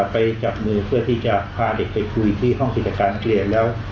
ไปจับมือเพื่อที่จะพาเด็กไปคุยที่ห้องกิจการเกลียนแล้ว